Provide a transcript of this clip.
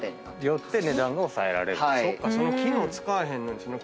よって値段が抑えられる。